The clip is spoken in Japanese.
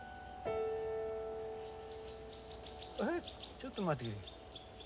ちょっと待ってくれ。